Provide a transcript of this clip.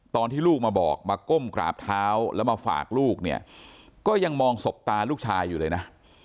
ตอนที่ลูกมาบอกมาก้มกราบเท้าแล้วมาฝากลูกเนี่ยก็ยังมองศพตาลูกชายอยู่เลยนะ